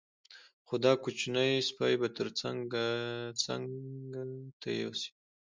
خو دا کوچنی سپی به ترې څنګه ته یوسې.